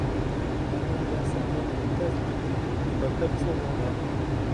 Maman verse alors une tasse de thé et papa lit son journal.